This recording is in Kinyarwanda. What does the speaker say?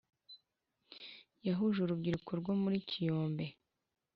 Yahuje urubyiruko rwo muri kiyombe